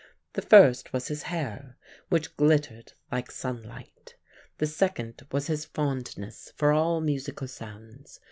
The first was his hair, which glittered like sunlight; the second was his fondness for all musical sounds.